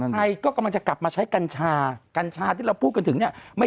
ไทยก็กำลังจะกลับมาใช้กัญชากัญชาที่เราพูดกันถึงเนี่ยไม่